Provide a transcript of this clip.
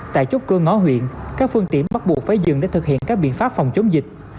tại chốt cơ ngõ huyện các phương tiện bắt buộc phải dừng để thực hiện các biện pháp phòng chống dịch